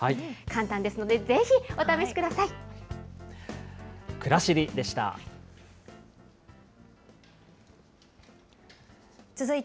簡単ですので、ぜひお試しください。